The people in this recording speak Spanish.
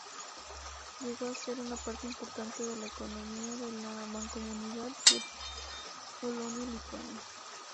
Llegó a ser una parte importante de la economía de la Mancomunidad de Polonia-Lituania.